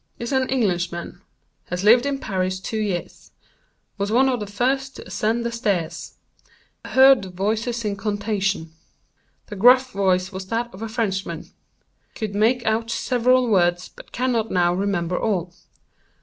Is an Englishman. Has lived in Paris two years. Was one of the first to ascend the stairs. Heard the voices in contention. The gruff voice was that of a Frenchman. Could make out several words, but cannot now remember all.